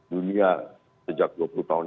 dunia sejak dua puluh tahun